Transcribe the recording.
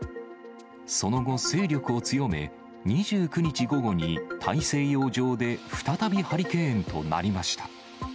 その後、勢力を強め、２９日午後に大西洋上で再びハリケーンとなりました。